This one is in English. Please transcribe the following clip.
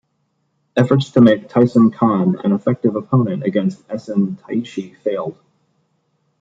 Efforts to make Taisun Khan an effective opponent against Esen Taishi failed.